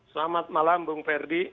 selamat malam bung ferdi